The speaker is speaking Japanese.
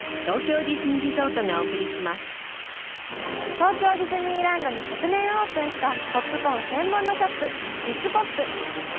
東京ディズニーランドに昨年オープンしたポップコーン専門のショップ。